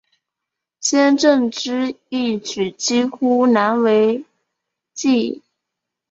先正之义举几乎难为继矣。